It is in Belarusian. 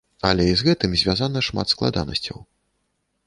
Але і з гэтым звязана шмат складанасцяў.